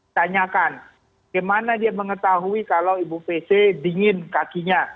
tanyakan bagaimana dia mengetahui kalau ibu pc dingin kakinya